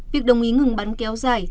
việc đồng ý ngừng bắn kéo dài